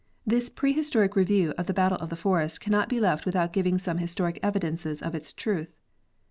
This prehistoric review of the battle of the forest cannot be left without giving some historic evidences of its truth.